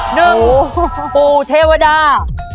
หนึ่งปู่เทวดา